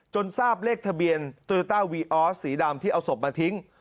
ทราบเลขทะเบียนโตโยต้าวีออสสีดำที่เอาศพมาทิ้ง